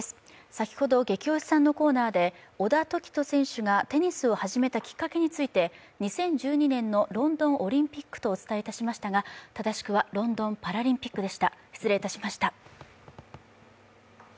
先ほど、「ゲキ推しさん」のコーナーで小田凱人選手がテニスを始めたきっかけについて２０１２年のロンドンオリンピックとお伝えいたしましたが正しくはロンドンパラリンピックでした、失礼いたしました。